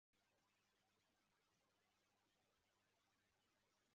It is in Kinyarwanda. Umuhungu ukiri muto akina mu mwobo utukura